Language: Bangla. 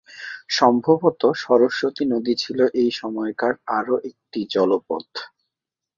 সম্ভবত, সরস্বতী নদী ছিল এই সময়কার আরও একটি জলপথ।